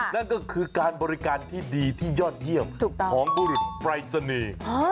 นั่นก็คือการบริการที่ดีที่ยอดเยี่ยมของบุรุษปรายศนีย์